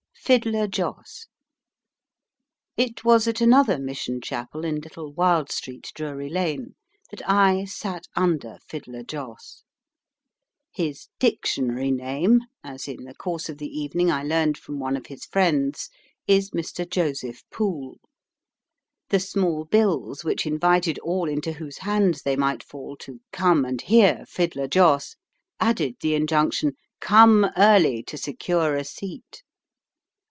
"FIDDLER JOSS." It was at another Mission Chapel in Little Wild Street, Drury Lane, that I "sat under" Fiddler Joss. His "dictionary name," as in the course of the evening I learned from one of his friends, is Mr. Joseph Poole. The small bills which invited all into whose hands they might fall to "come and hear Fiddler Joss" added the injunction "Come early to secure a seat."